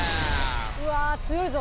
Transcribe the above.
うわぁ強いぞ。